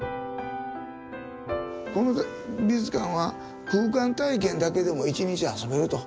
この美術館は空間体験だけでも一日遊べると。